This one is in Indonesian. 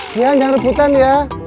jangan jangan rebutan ya